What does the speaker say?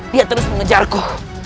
dia terus mengejarku